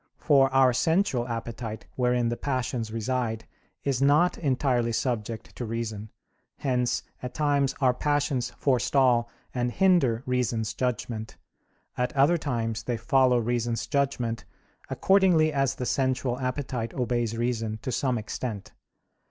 For our sensual appetite, wherein the passions reside, is not entirely subject to reason; hence at times our passions forestall and hinder reason's judgment; at other times they follow reason's judgment, accordingly as the sensual appetite obeys reason to some extent.